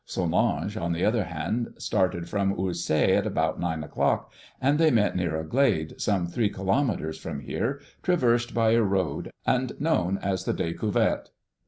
Solange, on the other hand, started from Ursay at about nine o'clock, and they met near a glade some three kilometres from here, traversed by a road, and known as the Découverte.